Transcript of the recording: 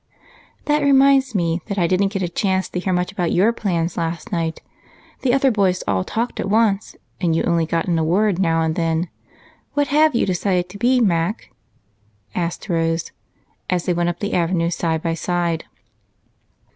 "That reminds me that I didn't get a chance to hear much about your plans last night the other boys all talked at once, and you only got a word now and then. What have you decided to be, Mac?" asked Rose as they went up the avenue side by side.